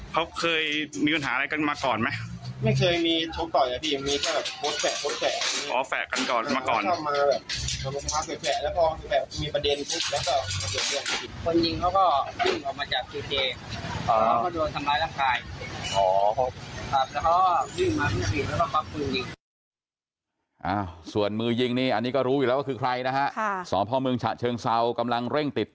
พี่คอยิงมาที่๔แล้วต้องปรับมือยิง